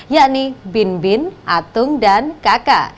yakni bin bin atung dan kk